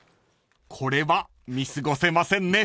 ［これは見過ごせませんね］